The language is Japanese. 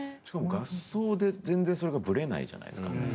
しかも合奏で全然それがブレないじゃないですか。